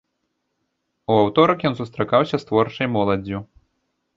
У аўторак ён сустракаўся з творчай моладдзю.